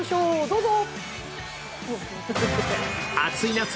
どうぞ！